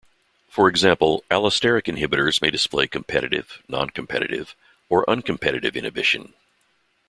For example, allosteric inhibitors may display competitive, non-competitive, or uncompetitive inhibition.